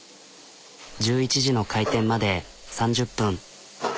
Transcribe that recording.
１１時の開店まで３０分。